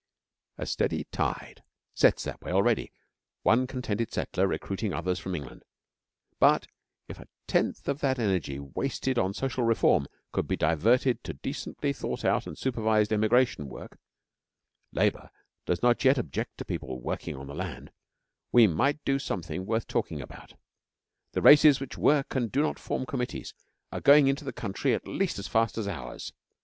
A steady tide sets that way already; one contented settler recruiting others from England; but if a tenth of that energy wasted on 'social reform' could be diverted to decently thought out and supervised emigration work ('Labour' does not yet object to people working on the land) we might do something worth talking about. The races which work and do not form Committees are going into the country at least as fast as ours.